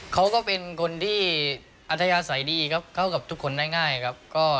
เขาก็เป็นคนที่อัธยาศัยดีครับเข้ากับทุกคนได้ง่ายครับ